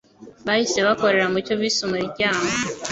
Bahise bakorera mu cyo bise umuryango